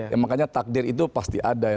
ya makanya takdir itu pasti ada ya